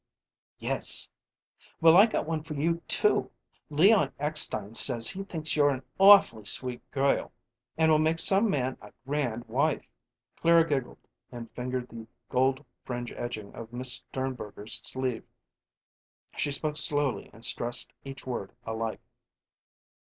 "Yes." "Well, I got one for you, too Leon Eckstein says he thinks you're an awfully sweet girl and will make some man a grand wife." Clara giggled and fingered the gold fringe edging of Miss Sternberger's sleeve. She spoke slowly and stressed each word alike.